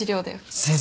先生